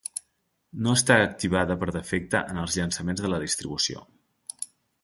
No està activada per defecte en els llançaments de la distribució.